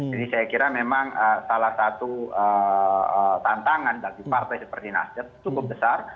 jadi saya kira memang salah satu tantangan bagi partai seperti nasdem cukup besar